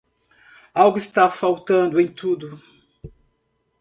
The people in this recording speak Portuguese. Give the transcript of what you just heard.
Algo está faltando em tudo.